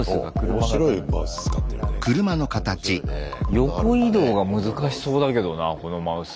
横移動が難しそうだけどなこのマウス。